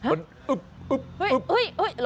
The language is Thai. เอ่ยโยกไปแล้ว